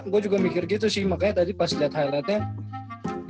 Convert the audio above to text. gue juga mikir gitu sih makanya tadi pas lihat highlightnya